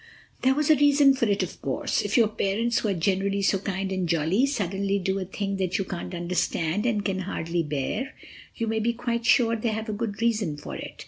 There was a reason for it, of course. If your parents, who are generally so kind and jolly, suddenly do a thing that you can't understand and can hardly bear, you may be quite sure they have a good reason for it.